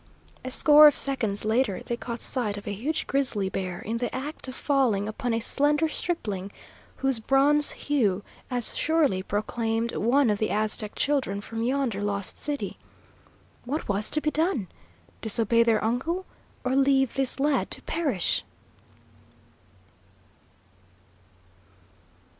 A score of seconds later they caught sight of a huge grizzly bear in the act of falling upon a slender stripling, whose bronze hue as surely proclaimed one of the Aztec children from yonder Lost City. What was to be done? Disobey their uncle, or leave this lad to perish?